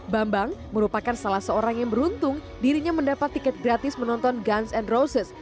bambang merupakan salah seorang yang beruntung dirinya mendapat tiket gratis menonton guns ⁇ and roses